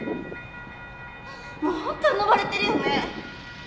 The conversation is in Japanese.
もう本当うぬぼれてるよね。